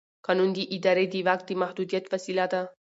قانون د ادارې د واک د محدودیت وسیله ده.